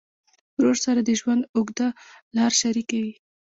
ورور سره د ژوند اوږده لار شریکه وي.